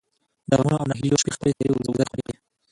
د غمـونـو او نهـيليو شـپې خپـلې سپـېرې وزرې خـورې کـړې.